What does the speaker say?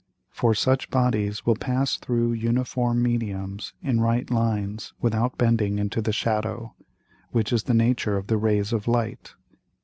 For such Bodies will pass through uniform Mediums in right Lines without bending into the Shadow, which is the Nature of the Rays of Light.